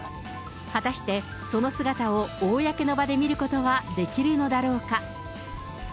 果たして、その姿を公の場で見ることはできるのだろうか。